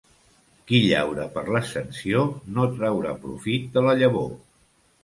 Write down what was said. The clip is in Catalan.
Qui llaura per l'Ascensió no traurà profit de la llavor.